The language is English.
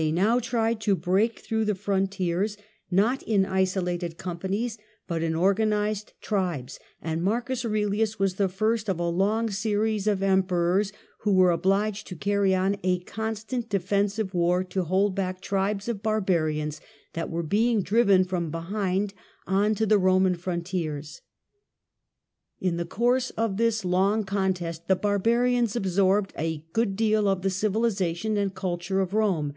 They now tried to break through the frontiers, 8 10 THE DAWN OF MEDIAEVAL EUROPE not in isolated companies but in organised tribes, and Marcus Aurelius was the first of a long series of emperors who were obliged to carry on a constant defensive war to hold back tribes of barbarians that were being driven from behind on to the Koman frontiers. In the course of this long contest the barbarians absorbed a good deal of the civilisation and culture of Rome.